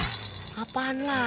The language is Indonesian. tunggu bayarin dulu